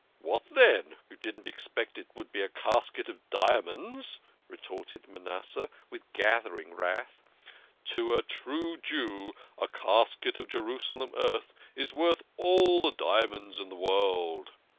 " What then ? You didn't expect it would be a casket of diamonds?" retorted Manasseh, with gathering wrath. THE KING OF SCHNORRERS. 103 " To a true Jew a casket of Jerusalem earth is worth all the diamonds in the world."